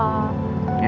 ya ya berangkat